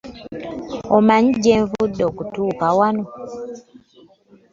Omanyi gye nvudde okutuuka wano?